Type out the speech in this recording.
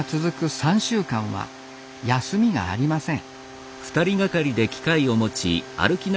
３週間は休みがありません